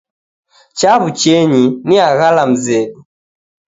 Chaw'uchenyi, niaghala mzedu